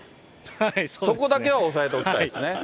そこだけは押さえておきたいですね。